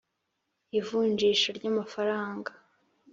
ivunjisha ry amafaranga